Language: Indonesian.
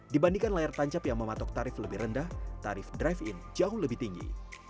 dibandingkan layar tancap yang mematok tarif lebih rendah tarif drive in jauh lebih tinggi